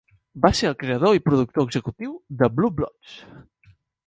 Va ser el creador i productor executiu de "Blue Bloods".